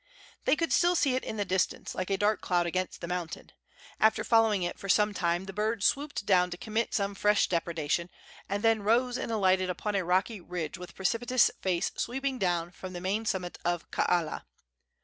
They could still see it in the distance, like a dark cloud against the mountain. After following it for some time the bird swooped down to commit some fresh depredation, and then rose and alighted upon a rocky ridge with precipitous face sweeping down from the main summit of Kaala.